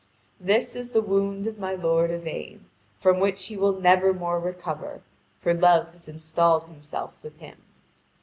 This is the wound of my lord Yvain, from which he will never more recover, for Love has installed himself with him.